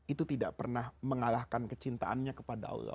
itu tidak pernah mengalahkan kecintaannya kepada allah